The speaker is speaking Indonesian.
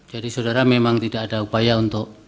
jadi saudara memang tidak ada upaya untuk